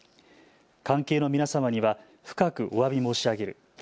関係の皆様には深くおわび申し上げる。